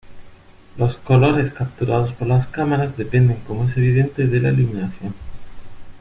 Los colores capturados por las cámaras dependen, como es evidente, de la iluminación.